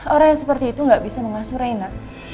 orang yang seperti itu nggak bisa mengasuh reina